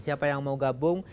siapa yang mau gabung